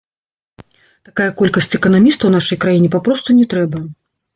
Такая колькасць эканамістаў нашай краіне папросту не трэба.